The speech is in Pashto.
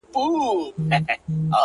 وي د غم اوږدې كوڅې په خامـوشۍ كي ـ